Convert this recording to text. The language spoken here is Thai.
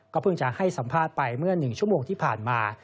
เพิ่งจะให้สัมภาษณ์ไปเมื่อ๑ชั่วโมงที่ผ่านมา